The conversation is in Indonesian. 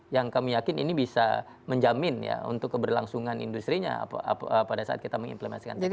yang kami yakin ini bisa menjamin ya untuk keberlangsungan industri nya pada saat kita mengimplementasikan teknologi